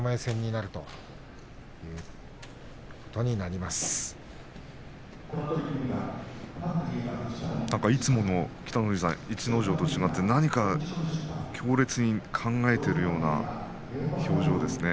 なんか、いつもの逸ノ城と違って何か強烈に考えているような表情ですね。